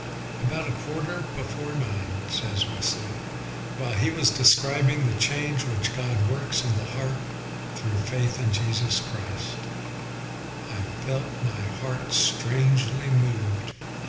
" About a quarter before nine," says Wesley, " while he was describing the change which God works in the heart through faith in Christ, 1 felt my heart strangely moved.